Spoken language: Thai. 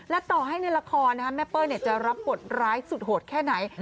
และต่อให้ในละครแม่เป้ยจะรับบทร้ายสุดโหดแค่ไหน